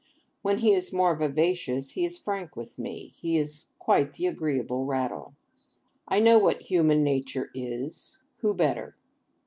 When he is more vivacious, he is frank with me; he is quite the agreeable rattle. I know what human nature is,—who better?